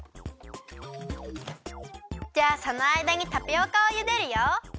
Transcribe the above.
じゃあそのあいだにタピオカをゆでるよ。